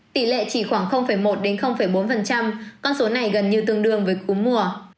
tỷ lệ chỉ khoảng một bốn con số này gần như tương đương với cúm mùa